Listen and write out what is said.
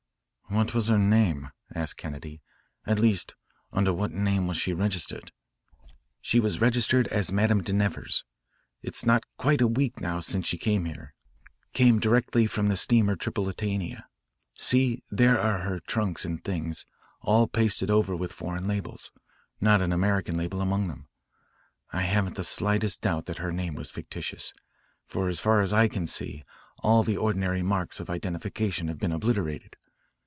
"What was her name?" asked Kennedy. "At least, under what name was she registered? "She was registered as Madame de Nevers. It is not quite a week now since she came here, came directly from the steamer Tripolitania. See, there are her trunks and things, all pasted over with foreign labels, not an American label among them. I haven't the slightest doubt that her name was fictitious, for as far as I can see all the ordinary marks of identification have been obliterated.